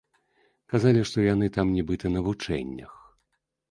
Казалі, што яны там нібыта на вучэннях.